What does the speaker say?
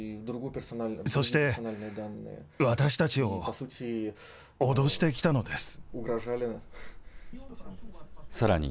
そして、私たちを脅してきたのでさらに